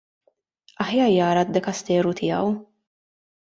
Aħjar jara d-dekasteru tiegħu.